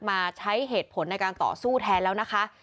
มาใช้เหตุผลในการต่อสู้แทนแล้วนะคะ